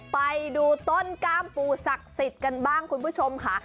ไปดูต้นกล้ามปู่ศักดิ์สิทธิ์กันบ้างคุณผู้ชมค่ะ